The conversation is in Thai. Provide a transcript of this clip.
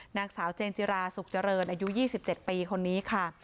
นางสาวเจนจิราสุขเจริญอายุ๒๗ปีคนนี้ค่ะ